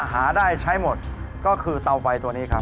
หาได้ใช้หมดก็คือเตาไฟตัวนี้ครับ